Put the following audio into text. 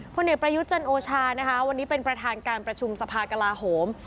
เอกประยุทธ์จันโอชานะคะวันนี้เป็นประธานการประชุมสภากลาโหม